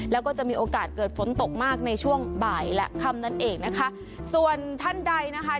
แล้วก็จะมีโอกาสเกิดฝนตกมากในช่วงบ่ายและค่ำนั่นเองนะคะส่วนท่านใดนะคะ